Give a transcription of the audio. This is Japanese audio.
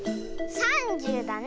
３０だね。